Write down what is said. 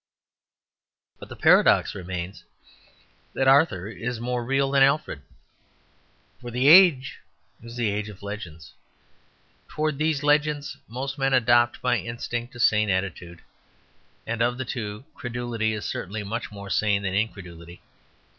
But the paradox remains that Arthur is more real than Alfred. For the age is the age of legends. Towards these legends most men adopt by instinct a sane attitude; and, of the two, credulity is certainly much more sane than incredulity.